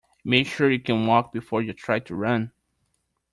Make sure you can walk before you try to run.